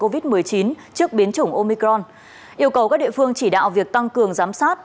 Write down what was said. covid một mươi chín trước biến chủng omicron yêu cầu các địa phương chỉ đạo việc tăng cường giám sát